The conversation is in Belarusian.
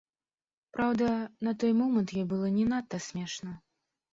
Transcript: Праўда, на той момант ёй было не надта смешна.